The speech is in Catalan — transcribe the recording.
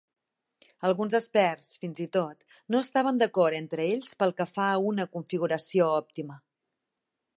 Alguns experts, fins i tot, no estaven d'acord entre ells pel que fa a una configuració òptima.